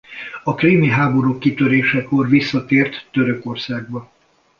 A krími háború kitörésekor visszatért Törökországba.